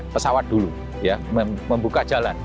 pesawat dulu ya membuka jalan